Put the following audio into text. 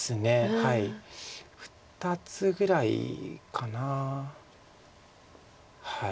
２つぐらいかな。